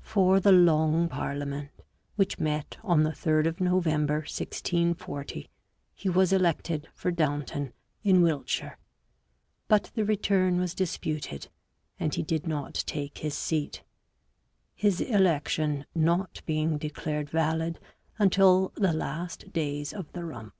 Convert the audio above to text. For the Long Parliament, which met on the 3rd of November 1640, he was elected for Downton in Wiltshire, but the return was disputed, and he did not take his seat ŌĆö his election not being declared valid until the last days of the Rump.